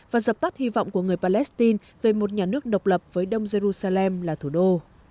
và dập tắt hy vọng của người palestine về một nhà nước độc lập với đông jerusalem là thủ đô